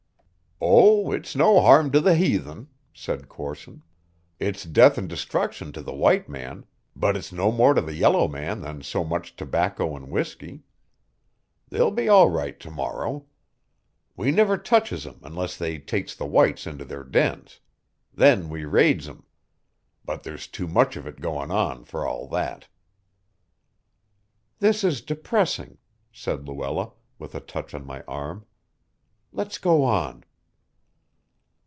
"Oh, it's no harm to the haythen," said Corson. "It's death and destruction to the white man, but it's no more to the yellow man than so much tobacco and whiskey. They'll be all right to morrow. We niver touches 'em unless they takes the whites into their dens. Then we raids 'em. But there's too much of it goin' on, for all that." "This is depressing," said Luella, with a touch on my arm. "Let's go on."